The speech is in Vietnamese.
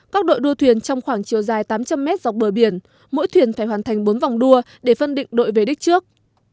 các đội đua thuyền trong khoảng chiều dài tám trăm linh m dọc bờ biển mỗi thuyền phải hoàn thành bốn vòng đua để phân định đội về đích trước